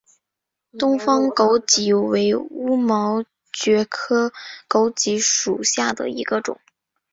东方狗脊为乌毛蕨科狗脊属下的一个种。